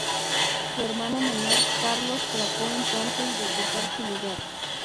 Su hermano menor Carlos trató entonces de ocupar su lugar.